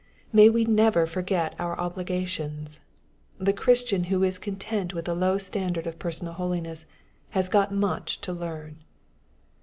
May we never forget our obligations I The Christian who is content with a low standard of personal holiness has got much to learn.